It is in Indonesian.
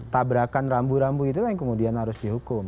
tabrakan rambu rambu itulah yang kemudian harus dihukum